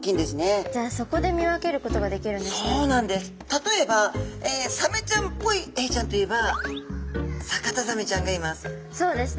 例えばサメちゃんっぽいエイちゃんといえばサカタザメちゃんがいます。